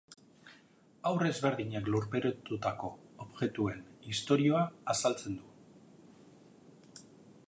Haur ezberdinek lurperatutako objektuen istorioa azaltzen du.